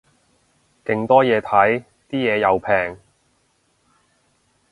勁多嘢睇，啲嘢又平